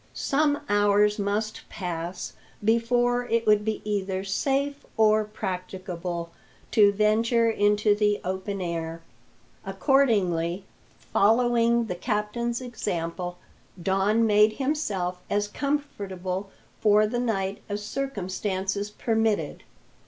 Some hours must pass before it would be either safe or practicable to venture into the open air. Accordingly, following the captain's example, Don made himself as comfortable for the night as circumstances permitted.